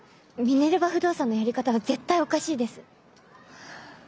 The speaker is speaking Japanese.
ミネルヴァ不動産のやり方は絶対おかしいです。